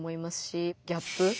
ギャップ？